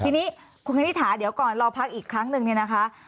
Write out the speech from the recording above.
ทีนี้คุณคณิตถาเดี๋ยวก่อนรอพักอีกครั้งหนึ่งเนี่ยนะคะ